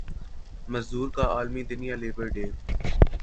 مزدور کا عالمی دن یا لیبر ڈے